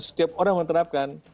setiap orang yang menerapkan